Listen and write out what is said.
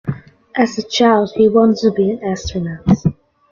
As a child he wanted to be an astronaut.